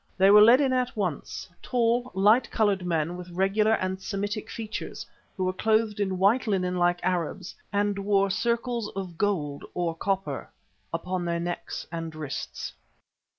They were led in at once, tall, light coloured men with regular and Semitic features, who were clothed in white linen like Arabs, and wore circles of gold or copper upon their necks and wrists.